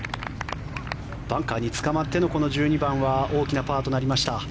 バンカーにつかまっての１２番は大きなパーとなりました。